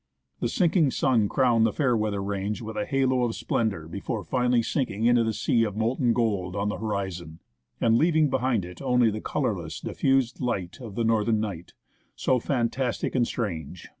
The sinking sun crowned the Fair weather range with a halo of splendour before finally sinking into the sea of molten gold on the horizon, and leaving behind it only the colourless diffused light of the northern night, so fantastic and strange.